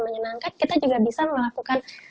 menyenangkan kita juga bisa melakukan